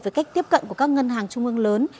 với cách tiếp cận của các ngân hàng trung ương lớn